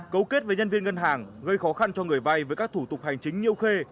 cấu kết với nhân viên ngân hàng gây khó khăn cho người vay với các thủ tục hành chính như khê